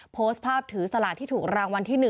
โพสต์ภาพถือสลากที่ถูกรางวัลที่๑